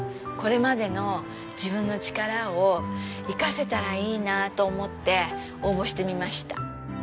これまでの自分の力を生かせたらいいなと思って応募してみました。